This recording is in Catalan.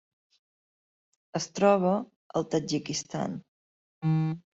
Es troba al Tadjikistan.